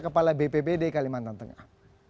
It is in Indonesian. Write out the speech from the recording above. kepala bppd kalimantan tengah